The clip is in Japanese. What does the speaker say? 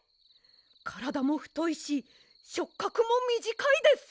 からだもふといししょっかくもみじかいです。